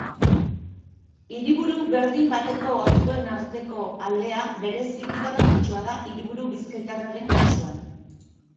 Hiriburu berdin bateko auzoen arteko aldea bereziki garrantzitsua da hiriburu bizkaitarraren kasuan.